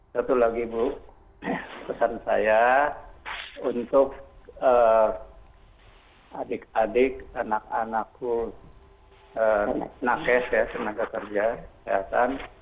satu lagi bu pesan saya untuk adik adik anak anakku nakes ya tenaga kerja kesehatan